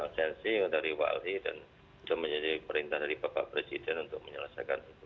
zenzi dari wali dan juga menjadi perintah dari bapak presiden untuk menyelesaikan itu